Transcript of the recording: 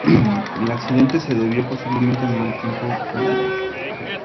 El accidente se debió posiblemente al mal tiempo reinante.